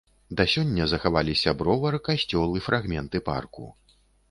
Да сёння захаваліся бровар, касцёл і фрагменты парку.